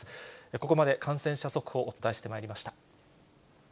ここまで感染者速報をお伝えしてまいりました。